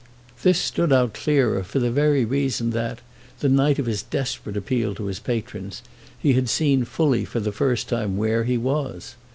This stood out clearer for the very reason that, the night of his desperate appeal to his patrons, he had seen fully for the first time where he was.